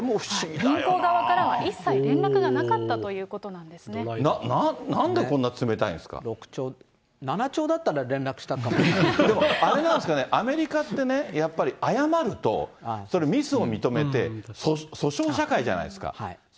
銀行側からは一切連絡がなかなんでこんな冷たいんですか７兆だったら連絡したかもしあれなんですかね、アメリカってやっぱり、謝るとミスを認めて、訴訟社会じゃないですか。